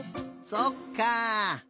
そっか。